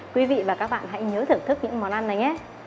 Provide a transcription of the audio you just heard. quý vị và các bạn hãy nhớ thưởng thức những món ăn này nhé